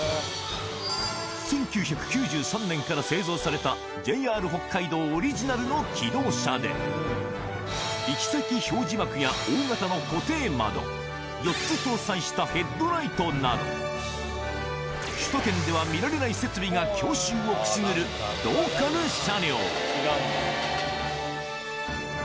１９９３年から製造されたＪＲ北海道オリジナルの気動車で、行き先表示幕や大型の固定窓、４つ搭載したヘッドライトなど、首都圏では見られない設備が郷愁をくすぐるローカル車両。